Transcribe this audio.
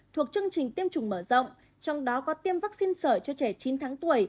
thuộc chương trình tiêm chủng mở rộng trong đó có tiêm vaccine sở cho trẻ chín tháng tuổi